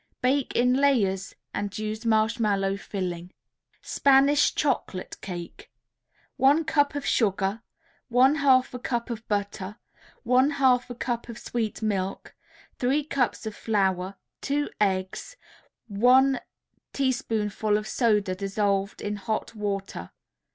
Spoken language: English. Bake in layers and use marshmallow filling. SPANISH CHOCOLATE CAKE One cup of sugar, one half a cup of butter, one half a cup of sweet milk, three cups of flour, two eggs, one teaspoonful of soda dissolved in hot water.